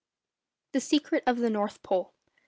_THE SECRET OF THE NORTH POLE.